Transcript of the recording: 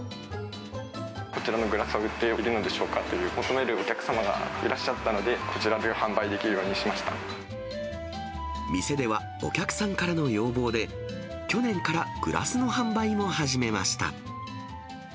こちらのグラスは売っているのでしょうか？と求めるお客様がいらっしゃったので、こちらで販店では、お客さんからの要望で、去年からグラスの販売も始めました。